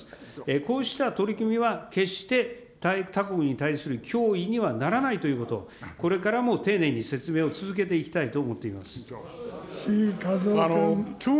こうした取り組みは決して他国に対する脅威にはならないということを、これからも丁寧に説明を続けていきたいと思っています。